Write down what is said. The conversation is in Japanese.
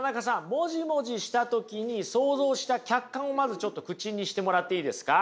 モジモジした時に想像した客観をまずちょっと口にしてもらっていいですか？